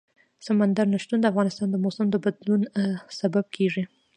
سمندر نه شتون د افغانستان د موسم د بدلون سبب کېږي.